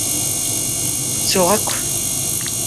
Ttuɣ akk.